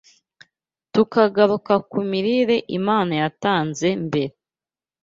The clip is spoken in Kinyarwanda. tukagaruka ku mirire Imana yatanze mbere